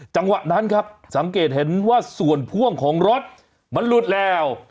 จังหวะนั้นครับสังเกตเห็นว่าส่วนพ่วงของรถมันหลุดแล้ว